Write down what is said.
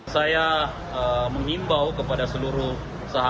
saya mengimbau kepada seluruh masyarakat